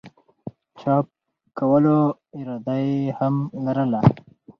چاپ کولو اراده ئې هم لرله